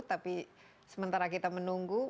tapi sementara kita menunggu